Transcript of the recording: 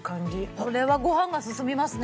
これはご飯が進みますね。